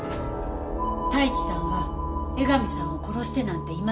太一さんは江上さんを殺してなんていません。